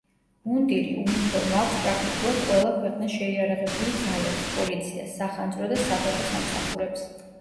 მუნდირი, უნიფორმა აქვს პრაქტიკულად ყველა ქვეყნის შეიარაღებული ძალებს, პოლიციას, სახანძრო და საბაჟო სამსახურებს.